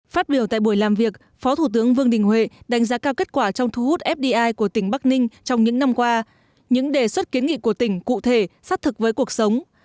phát biểu tại buổi làm việc phó thủ tướng vương đình huệ đánh giá cao kết quả trong thu hút fdi của tỉnh bắc ninh trong những năm qua những đề xuất kiến nghị của tỉnh cụ thể sát thực với cuộc sống